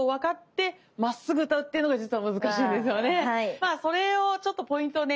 まあそれをちょっとポイントをね